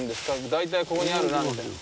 大体ここにあるなみたいのは。